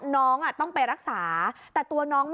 น้องต้องไปรักษาแต่ตัวน้อง